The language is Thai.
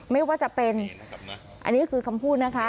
ไม่ว่าจะเป็นอันนี้คือคำพูดนะคะ